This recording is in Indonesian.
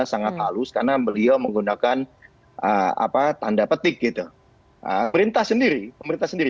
sangat halus karena beliau menggunakan apa tanda petik gitu perintah sendiri pemerintah sendiri